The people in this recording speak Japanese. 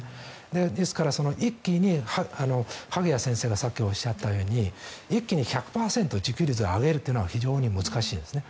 ですから萩谷先生がさっきおっしゃったように一気に１００％自給率を上げるというのは非常に難しいんですね。